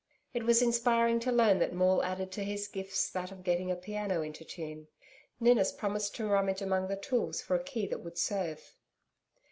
It was inspiring to learn that Maule added to his gifts that of getting a piano into tune. Ninnis promised to rummage among the tools for a key that would serve.